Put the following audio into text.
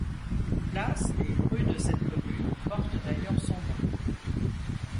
Une place et une rue de cette commune porte d'ailleurs son nom.